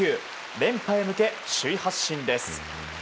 連覇へ向け、首位発進です。